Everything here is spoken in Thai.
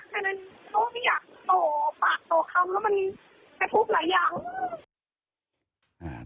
ปากต่อคำแล้วมันกระทุบหลายอย่าง